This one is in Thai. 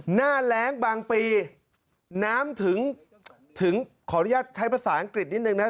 หน้าแรงบางปีน้ำถึงขออนุญาตใช้ภาษาอังกฤษนิดนึงนะ